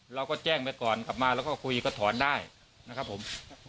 เราก็แจ้งไปก่อนกลับมาแล้วก็คุยก็ถอนได้นะครับผม